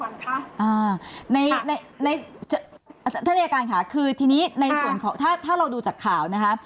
ท่านในในท่านอายการค่ะคือทีนี้ในส่วนของถ้าถ้าเราดูจากข่าวนะคะ